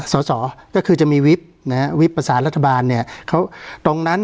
สอสอก็คือจะมีวิบนะฮะวิบประสานรัฐบาลเนี่ยเขาตรงนั้น